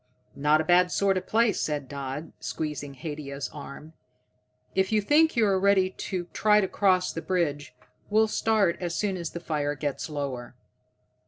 "Not a bad sort of place," said Dodd, squeezing Haidia's arm. "If you think you're ready to try to cross the bridge, we'll start as soon as the fire gets lower."